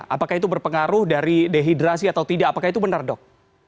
apakah itu berpengaruh dari dehidrasi atau tidak apakah itu benar dok